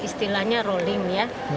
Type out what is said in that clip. itu istilahnya rolling ya